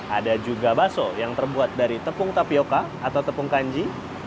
ada juga bakso yang terbuat dari tepung tapioca atau tepung kanji